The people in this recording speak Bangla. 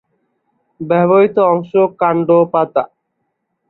ব্যবহৃত অংশ: কাণ্ড, পাতা।